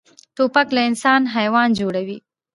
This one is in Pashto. توپک له انسان حیوان جوړوي.